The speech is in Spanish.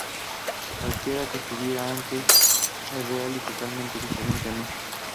Cualquier que estuviera antes es real y totalmente diferente a mí.